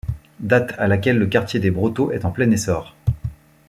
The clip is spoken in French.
Date à laquelle le quartier des Brotteaux est en plein essor.